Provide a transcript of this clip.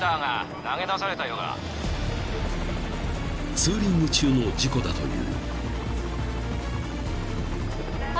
［ツーリング中の事故だという］